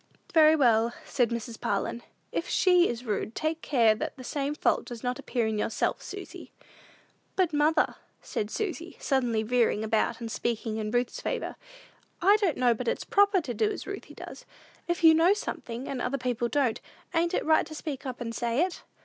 "Very well," said Mrs. Parlin; "if she is rude, take care that the same fault does not appear in yourself, Susy." "But, mother," said Susy, suddenly veering about and speaking in Ruth's favor, "I don't know but it's proper to do as Ruthy does. If you know something, and other people don't, ain't it right to speak up and say it?"